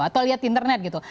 atau lihat internet gitu